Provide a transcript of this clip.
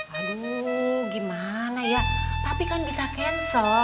aduh gimana ya tapi kan bisa cancel